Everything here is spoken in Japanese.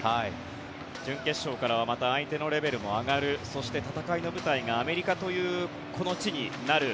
準決勝からはまた相手のレベルも上がるそして、戦いの舞台がアメリカというこの地になる。